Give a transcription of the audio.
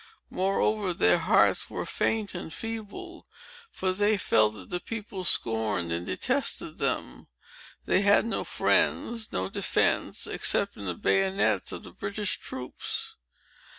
Moreover their hearts were faint and feeble; for they felt that the people scorned and detested them. They had no friends, no defence, except in the bayonets of the British troops.